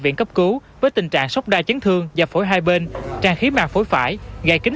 viện cấp cứu với tình trạng sốc đai chấn thương và phổi hai bên tràn khí màng phổi phải gây kín